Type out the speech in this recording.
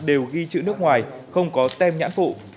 đều ghi chữ nước ngoài không có tem nhãn phụ